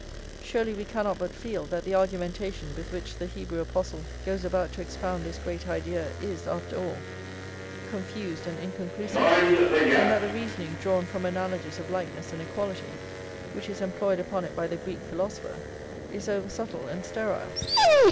Surely we cannot but feel, that the argumentation with which the Hebrew apostle goes about to expound this great idea is, after all, confused and inconclusive; and that the reasoning, drawn from analogies of likeness and equality, which is employed upon it by the Greek philosopher, is over subtle and sterile?